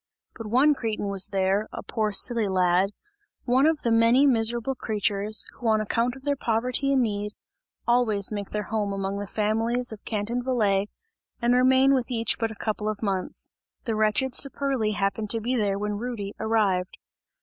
But one cretin was there, a poor silly lad, one of the many miserable creatures, who on account of their poverty and need, always make their home among the families of Canton Valais and remain with each but a couple of months. The wretched Saperli happened to be there when Rudy arrived.